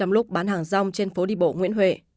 trong lúc bán hàng rong trên phố đi bộ nguyễn huệ